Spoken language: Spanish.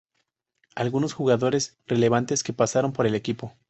Algunos jugadores relevantes que pasaron por el equipo.